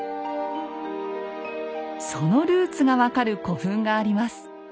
そのルーツが分かる古墳があります。